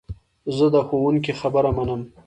زه د ښوونکو خبره منم.